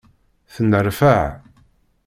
Tenneṛfaɛ.